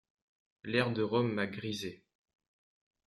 L'air de Rome m'a grisé.